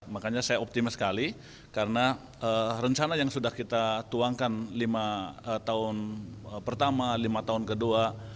makanya saya optimis sekali karena rencana yang sudah kita tuangkan lima tahun pertama lima tahun kedua